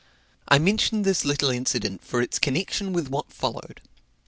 I mention this little incident for its connection with what followed.